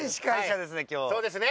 そうですね。